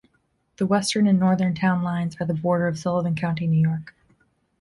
The western and northern town lines are the border of Sullivan County, New York.